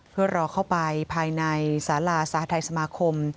เพื่อรอเข้าไปภายในสาราสหทัยสมาคม